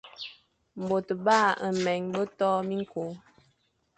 Môr ba mreghe be to miñko,